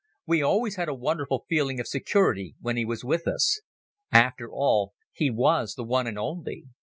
We always had a wonderful feeling of security when he was with us. After all he was the one and only.